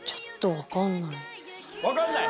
分かんない？